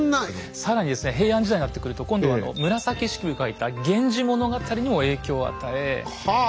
更にですね平安時代になってくると今度は紫式部が書いた「源氏物語」にも影響を与え